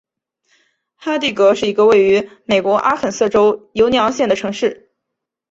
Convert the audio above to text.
哈蒂格是一个位于美国阿肯色州犹尼昂县的城市。